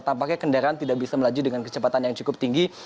tampaknya kendaraan tidak bisa melaju dengan kecepatan yang cukup tinggi